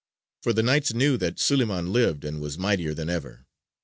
For the Knights knew that Suleymān lived and was mightier than ever.